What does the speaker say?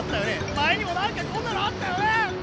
まえにもなんかこんなのあったよね？